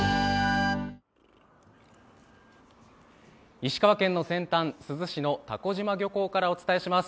石川県の先端、珠洲市の蛸島漁港からお伝えします。